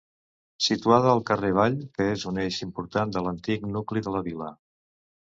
Situada al carrer Vall que és un eix important de l'antic nucli de la vila.